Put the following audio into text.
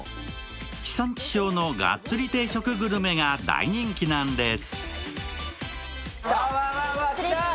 地産地消のがっつり定食グルメが大人気なんです。